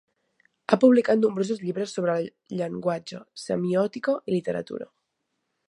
Ha publicat nombrosos llibres sobre llenguatge, semiòtica i literatura.